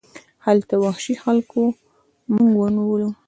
هلته وحشي خلکو موږ ونیولو.